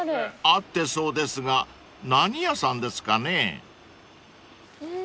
［合ってそうですが何屋さんですかね？］えぇー。